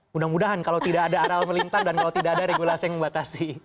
mudah mudahan kalau tidak ada arah melintang dan kalau tidak ada regulasi yang membatasi